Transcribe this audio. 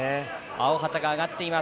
青旗が上がっています。